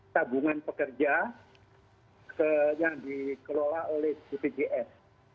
tabungan pekerja yang dikelola oleh bpjs